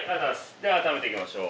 では改めていきましょう。